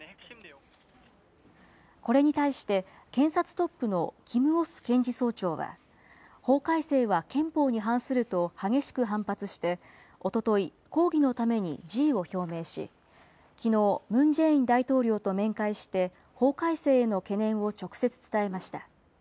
これに対して、検察トップのキム・オス検事総長は、法改正は憲法に反すると激しく反発しておととい、抗議のために辞意を表明し、きのう、ムン・ジェイン大統領と面会して、法改正への懸念を直接伝えました。